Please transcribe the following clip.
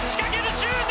シュート！